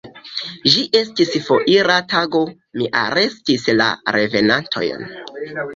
Ĝi estis foira tago: mi arestis la revenantojn.